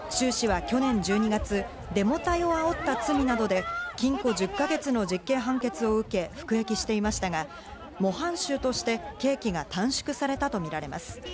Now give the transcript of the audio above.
シュウ氏は去年１２月、デモ隊をあおった罪などで禁錮１０か月の実刑判決を受け服役していましたが、模範囚として刑期が短縮されたとみられます。